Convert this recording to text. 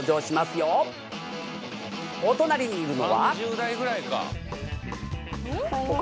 お隣にいるのは。